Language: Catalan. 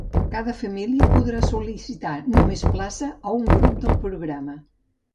Cada família podrà sol·licitar només plaça a un grup del programa.